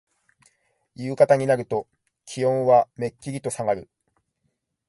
夕方になると気温はめっきりとさがる。